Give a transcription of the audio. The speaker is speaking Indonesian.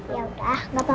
yaudah gak apa apa